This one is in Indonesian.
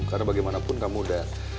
karena bagaimanapun kamu udah